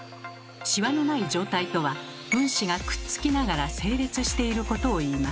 シワのない状態とは分子がくっつきながら整列していることをいいます。